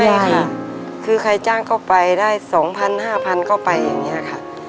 ใช่ค่ะคือใครจ้างก็ไปได้๒๐๐๕๐๐เข้าไปอย่างนี้ค่ะ